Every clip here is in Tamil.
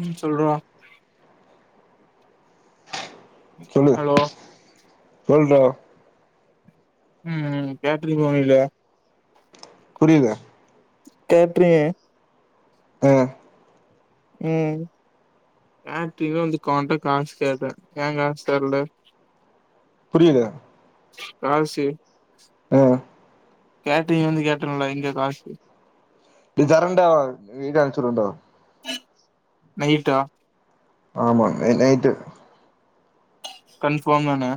ம் சொல்றா சொல்லு ஹலோ சொல்டா ம் ம் மேட்டரி போனில புரியில கேட்றீயேன் ம் ம் ஆ டீங்கள வந்து அவன் கிட்ட காசு கேட்டே ஏன் காசு தர்ல புரியல ஆப்பிஸு ஆ கேட்டரிங் வந்து கேட்டன்ல எங்க காசு இதரண்டா இன்னைக்கே அனுப்பிச்சிவிடுறேன்டா நைட்டா ஆமா நைட்டு கன்பார்ம் தானே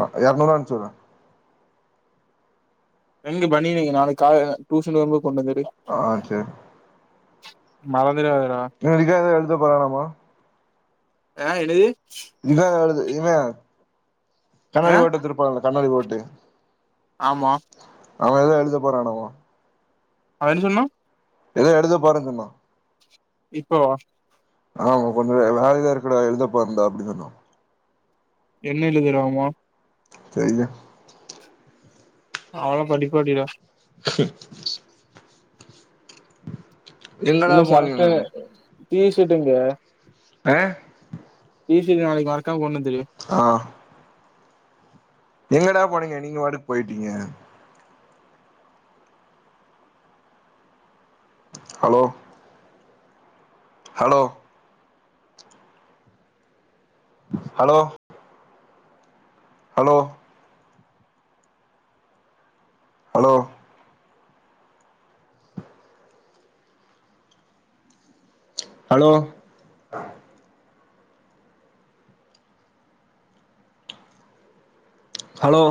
ஆ எறநூரா அனுப்பிச்சுடுறேன் எங்க பனியன் எங்க நாளைக்கு கா டியூஷன் வரும்போ கொண்டு வந்துரு ஆ சேரி மறந்திராத டா இன்னு இத வேற எழுத போரானாமா ஆ என்னது இந்தா வருது இவன் கண்ணாடி ஆ போட்டுட்டு ஒருத்தன் இருப்பால கண்ணாடி போட்டு ஆமா அவன் ஏதோ எழுத போறானமா அவன் என்ன சொன்னான் ஏதோ எழுத போறேன்னு சொன்னா இப்போவா ஆமா கொஞ்சம் வேல ஏதா இருக்குட எழுதப்ப போறேன்டா அப்படின்னு சொன்னா என்ன எழுதுறானாம தெரில அவன்லா படிப்பாளி டா எங்கடா இந்த ஷர்ட போனீங்க டீஷர்ட்டேங்கே ஆ டிசர்ட் நாளைக்கு மறக்காம கொண்டுவந்துரு ஆ எங்கடா போனீங்க நீங்க வாட்டுக்கு போயிட்டீங்க hello hello hello hello hello hello hello